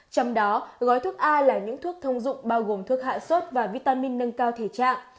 trong đó gói thuốc a là những thuốc thông dụng bao gồm thuốc hạ sốt và vitamin nâng cao thể trạng